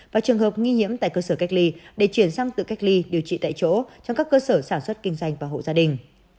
và trường hợp nghi nhiễm tại cơ sở cách ly để chuyển sang tự cách ly điều trị tại chỗ trong các cơ sở sản xuất kinh doanh và hộ gia đình